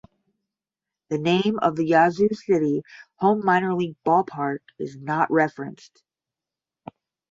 The name of the Yazoo City home minor league ballpark is not referenced.